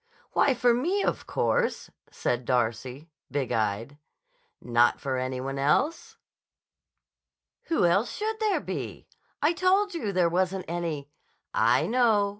"Why, for me, of course," said Darcy, big eyed. "Not for any one else?" "Who else should there be? I told you there wasn't any—" "I know.